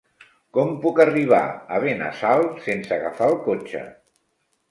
Com puc arribar a Benassal sense agafar el cotxe?